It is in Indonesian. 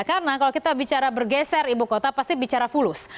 karena kalau kita bicara bergeser ibu kota pasti bicara fulus